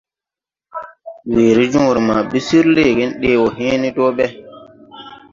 Weer jõõre ma ɓi sir leege ɗee wɔ hẽẽne dɔɔ ɓɛ.